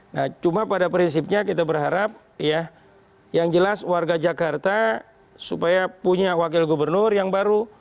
nah cuma pada prinsipnya kita berharap ya yang jelas warga jakarta supaya punya wakil gubernur yang baru